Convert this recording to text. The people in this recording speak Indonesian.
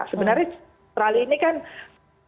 sebenarnya australia ini kan sempat gagal